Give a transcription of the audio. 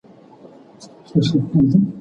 زحمت او همکاري تل بريا راوړي.